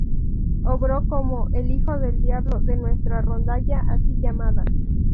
Obró como "el hijo del diablo" de nuestra rondalla así llamada.